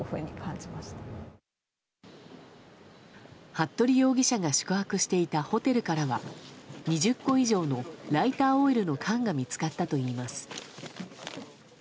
服部容疑者が宿泊していたホテルからは２０個以上のライターオイルの缶が見つかったといいます。